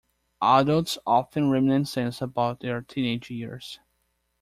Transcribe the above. Adults often reminisce about their teenage years.